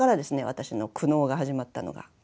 私の苦悩が始まったのが。